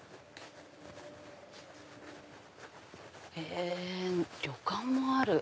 へぇ旅館もある。